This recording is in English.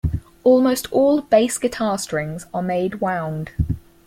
Almost all bass guitar strings are made wound.